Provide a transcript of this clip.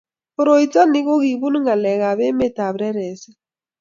koroito ni ko kibunu ng'alek ab amet ab reresik